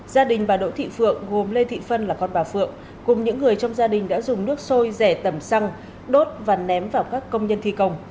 gia đình bà đỗ thị phượng gồm lê thị phân là con bà phượng cùng những người trong gia đình đã dùng nước sôi rẻ tẩm xăng đốt và ném vào các công nhân thi công